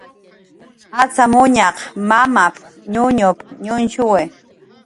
"Acxamuñaq mamap"" ñuñup"" ñuñshuwi "